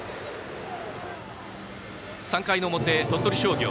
３回の表、鳥取商業。